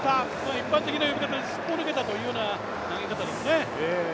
一般的な呼び方ですっぽ抜けたというものですね。